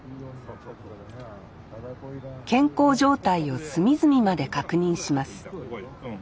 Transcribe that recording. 健康状態を隅々まで確認しますうん。